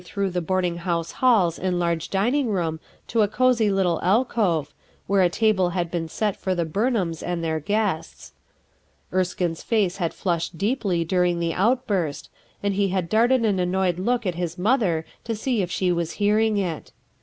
6 1 through the boarding house halls and large dining room to a cosey little alcove, where a table had been set for the Burnhams and their guests, Erskine's face had flushed deeply during the outburst, and he had darted an annoyed look at his mother to see if she was hearing it.